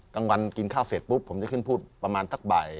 กลางวันกินข้าวเสร็จปุ๊บผมจะขึ้นพูดประมาณสักบ่าย